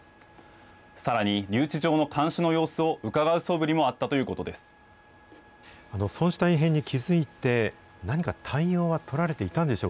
さらに留置場の看守の様子を伺うそぶりもあったということです。